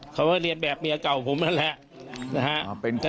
เขาเรียนแบบเมียเก่าผมนั่นแหละ